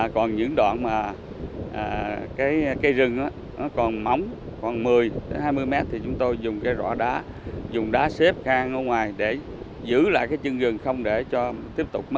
còn những đoạn mà cây rừng còn mỏng còn một mươi hai mươi mét thì chúng tôi dùng rõ đá dùng đá xếp can ở ngoài để giữ lại chân rừng không để tiếp tục